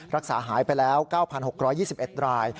รักษาหายไปแล้ว๙๖๒๑ราย